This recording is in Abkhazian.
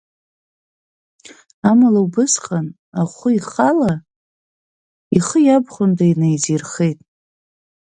Амала убасҟан, ахәы ихала ихы иабхәында инаизирхеит.